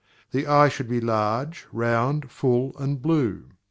The eye should be large, round, full, and blue.